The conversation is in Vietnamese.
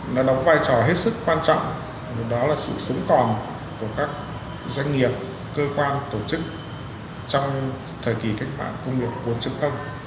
nó đóng vai trò hết sức quan trọng đó là sự sống còn của các doanh nghiệp cơ quan tổ chức trong thời kỳ cách mạng công nghiệp bốn